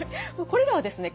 これらはですね